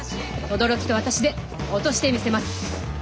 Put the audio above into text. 轟と私で落としてみせます。